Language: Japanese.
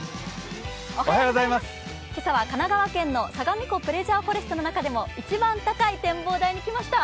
今朝は神奈川県のさがみ湖プレジャーフォレストの中でも一番高い展望台に来ました。